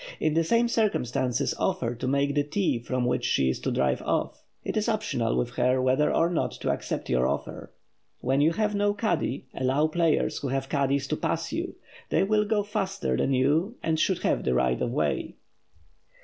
In the same circumstances offer to make the tee from which she is to drive off. It is optional with her whether or not to accept your offer. When you have no caddie allow players who have caddies to pass you. They will go faster than you and should have the right of way.